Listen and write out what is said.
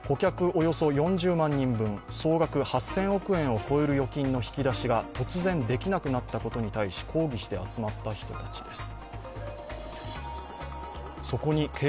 およそ４０万人分、総額８０００億円を超える預金の引き出しが突然できなくなったことに対し抗議して集まった人たちです。